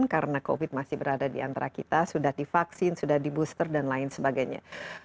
karena covid masih berada di antara kita sudah divaksin sudah di booster dan lain sebagainya